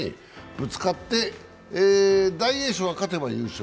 ぶつかって、大栄翔が勝てば優勝。